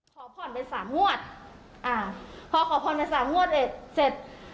ขอผ่อนไปสามงวดอ่าพอขอผ่อนไปสามงวดเอ็ดเสร็จ